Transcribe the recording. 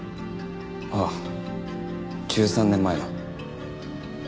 あっ１３年前の。